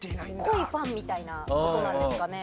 濃いファンみたいなことなんですかね？